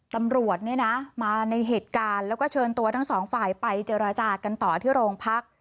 ตำรวจเนี่ยนะมาในเหตุการณ์แล้วก็เชิญตัวทั้งสองฝ่ายไปเจรจากันต่อที่โรงพัก